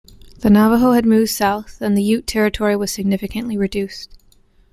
The Navajo had moved south and the Ute territory was significantly reduced.